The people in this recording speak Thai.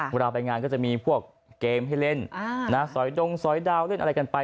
เวลาไปงานก็จะมีพวกเกมให้เล่นสอยดงสอยดาวเล่นอะไรกันไป